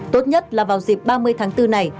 tốt nhất là vào dịp ba mươi tháng bốn này